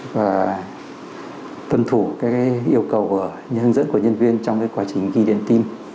và tuân thủ các cái yêu cầu hướng dẫn của nhân viên trong cái quá trình ghi điện tim